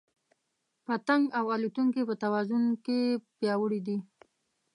پتنګ او الوتونکي په توازن کې پیاوړي دي.